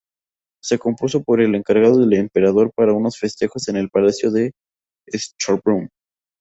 Se compuso por encargo del Emperador para unos festejos en el Palacio de Schönbrunn.